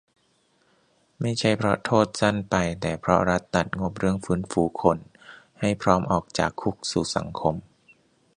ไม่ใช่เพราะโทษสั้นไป แต่เพราะรัฐตัดงบเรื่องฟื้นฟูคนให้พร้อมออกจากคุกสู่สังคม